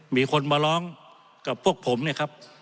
มีคนมาร้องกับพวกผมเนี่ยครับ